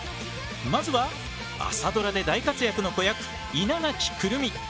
まずは「朝ドラ」で大活躍の子役稲垣来泉！